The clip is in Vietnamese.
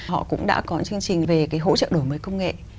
họ cũng đã có chương trình về cái hỗ trợ đổi mới công nghệ